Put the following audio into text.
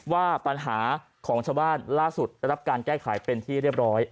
ว่าปัญหาของชาวบ้านล่าสุดได้รับการแก้ไขเป็นที่เรียบร้อย